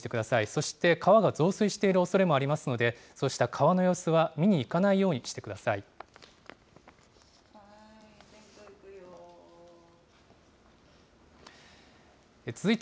そして、川が増水しているおそれもありますので、そうした川の様子は見に行かないようにしてください。